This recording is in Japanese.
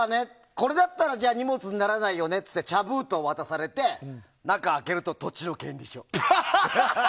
これだったら荷物にならないよねってことで茶封筒を渡されて中を開けると土地の権利書。